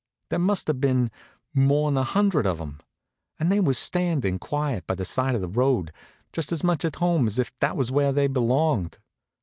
There must have been more'n a hundred of 'em, and they was standin' quiet by the side of the road, just as much to home as if that was where they belonged.